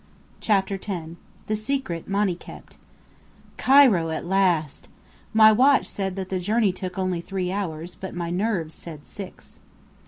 CHAPTER X THE SECRET MONNY KEPT Cairo at last! My watch said that the journey took only three hours; but my nerves said six.